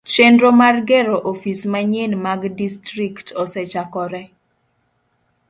Chenro mar gero ofis manyien mag distrikt osechakore.